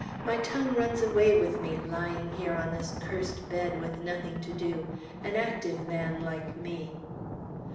"My tongue runs away with me, lying here on this cursed bed, with nothing to do, an active man like me."